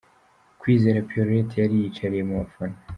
Kwizera Pierrot yari yiyicariye mu bafana.